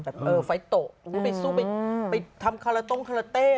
ไฟโตะไปสู้ไปทำคาราโต้งคาราเต้